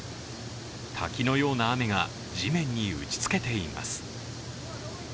滝のような雨が地面に打ちつけています。